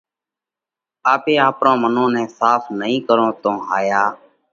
آپي آپرون منون نئہ ساڦ نئي ڪرون تو ھايا